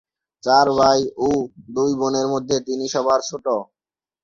চার ভাই ও দুই বোনের মধ্যে তিনি সবার ছোট।